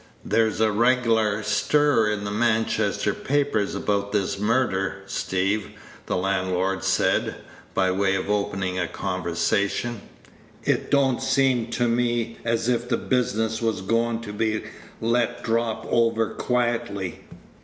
"There's a reg'lar stir in the Manchester papers about this murder, Steeve," the landlord said, by way of opening a conversation; "it don't seem to me as if the business was goin' to be let drop over quietly.